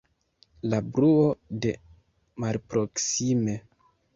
La bruo de malproksime.